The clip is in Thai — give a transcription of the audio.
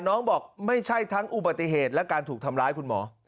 น้องบอกไม่ใช่ทั้งอุบัติเหตุและการถูกทำร้ายคุณหมอ